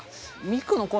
ミクの声